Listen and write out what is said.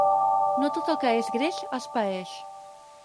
No tot el que és greix es paeix.